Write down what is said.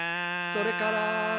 「それから」